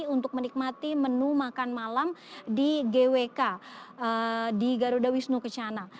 untuk menikmati menu makan malam di gwk di garuda wisnu kencana